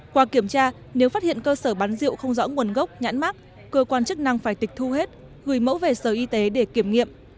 qua kiểm tra nếu phát hiện cơ sở bán rượu không rõ nguồn gốc nhãn mát cơ quan chức năng phải tịch thu hết gửi mẫu về sở y tế để kiểm nghiệm